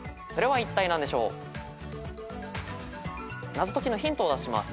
謎解きのヒントを出します。